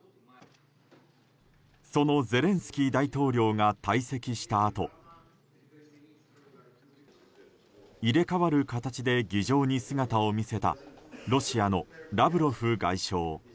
そのゼレンスキー大統領が退席したあと入れ替わる形で議場に姿を見せたロシアのラブロフ外相。